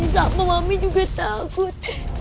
sama mami juga takut